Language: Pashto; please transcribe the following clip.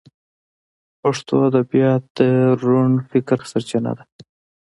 پښتو ادبیات د روڼ فکر سرچینه ده.